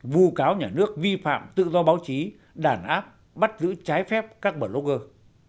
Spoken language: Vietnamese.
vu cáo nhà nước vi phạm tự do báo chí đàn áp bắt giữ trái phép các blogger